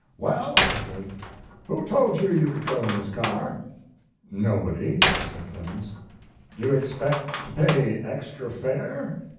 "Well," he said, "who told you you could go in this car?" "Nobody," said Clemens. "Do you expect to pay extra fare?"